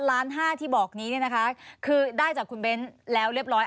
ล้านห้าที่บอกนี้เนี่ยนะคะคือได้จากคุณเบ้นแล้วเรียบร้อย